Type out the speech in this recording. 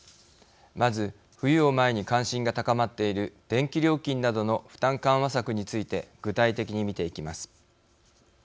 まず冬を前に関心が高まっている電気料金などの負担緩和策について具体的に見ていきます。